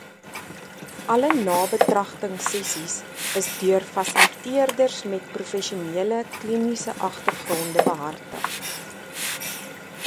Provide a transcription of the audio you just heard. Alle nabetragtingsessies is deur fasiliteerders met professionele kliniese agtergronde behartig.